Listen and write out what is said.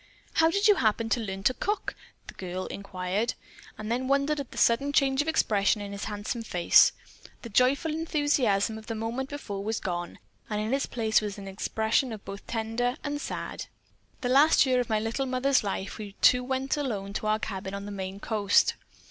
"How did you happen to learn how to cook?" the girl inquired, and then wondered at the sudden change of expression in his handsome face. The joyful enthusiasm of the moment before was gone and in its place was an expression both tender and sad. "The last year of my little mother's life we two went alone to our cabin on the Maine coast.